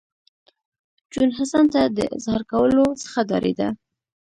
جون حسن ته د اظهار کولو څخه ډارېده